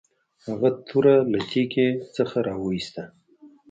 هغه توره له تیکي نه راویوسته.